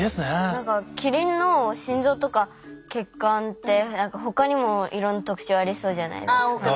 何かキリンの心臓とか血管ってほかにもいろんな特徴ありそうじゃないですか？